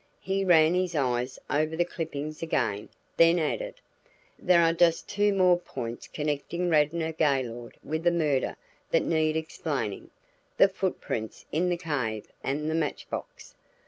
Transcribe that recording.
He ran his eyes over the clippings again, then added, "There are just two more points connecting Radnor Gaylord with the murder that need explaining: the foot prints in the cave and the match box.